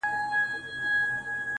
زړه وه زړه ته لاره لري,